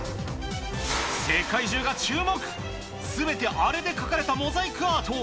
世界中が注目、すべてあれで書かれたモザイクアート。